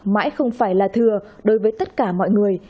mãi không phải là thừa đối với tất cả mọi người